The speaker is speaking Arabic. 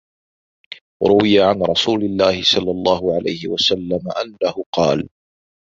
رُوِيَ عَنْ رَسُولِ اللَّهِ صَلَّى اللَّهُ عَلَيْهِ وَسَلَّمَ أَنَّهُ قَالَ